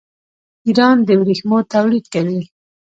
ایران د ورېښمو تولید کوي.